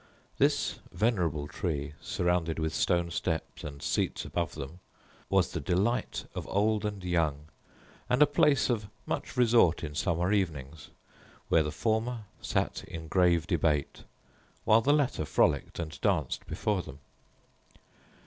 This venerable tree, surrounded with stone steps, and seats above them, was the delight of old and young, and a place of much resort in summer evenings; where the former sat in grave debate, while the latter frolicked and danced before them.